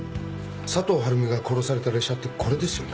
佐藤晴美が殺された列車ってこれですよね？